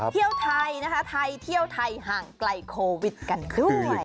เที่ยวไทยนะคะไทยเที่ยวไทยห่างไกลโควิดกันด้วย